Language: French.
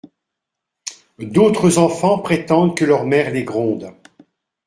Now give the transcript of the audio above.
D'autres enfants prétendent que leur mère les gronde.